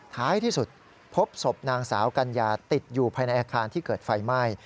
ท้ายที่สุดพบศพนางสาวกัญญาติดอยู่ภายในอาคารที่เกิดไฟไหม้